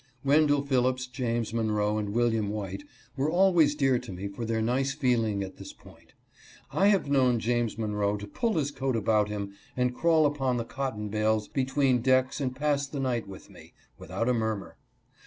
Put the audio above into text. Wendell Phillips, James Monroe, and William White, were always dear to me for their nice feeling at this point. I have known James Monroe to pull his coat about him and crawl upon the cotton bales between decks and pass the night with me, without a murmur.